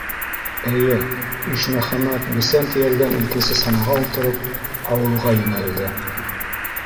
Эйе, Ишмөхәмәт, бесән тейәлгән икенсе санаға ултырып, ауылға йүнәлде.